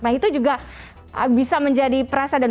nah itu juga bisa menjadi presiden